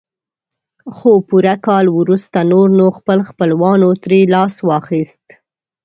خو پوره کال وروسته نور نو خپل خپلوانو ترې لاس واخيست.